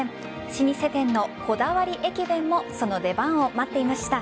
老舗店のこだわり駅弁もその出番を待っていました。